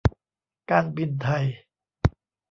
การบินไทย